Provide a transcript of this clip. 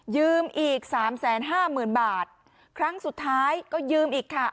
อีกสามแสนห้าหมื่นบาทครั้งสุดท้ายก็ยืมอีกค่ะ